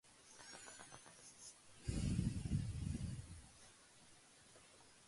This led him to resign his Indian appointment.